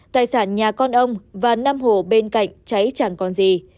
tài sản nhà con ông và năm hồ bên cạnh cháy chẳng còn gì